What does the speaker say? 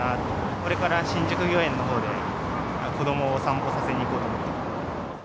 これから新宿御苑のほうで、子どもを散歩させに行こうと思ってます。